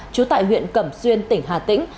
chú tại huyện cẩm xuyên tỉnh hà tĩnh